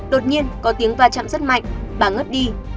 đột nhiên có tiếng va chạm rất mạnh bà ngất đi